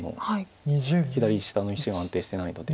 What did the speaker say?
左下の石が安定してないので。